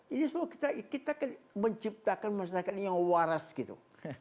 ini semua kita menciptakan masyarakat yang waras gitu